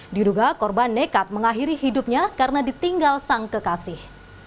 diduga korban nekat mengakhiri hidupnya karena ditinggal sang kekasih